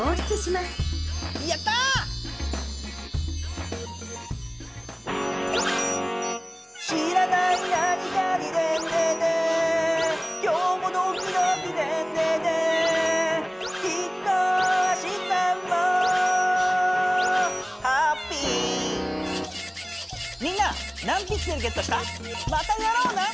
またやろうな！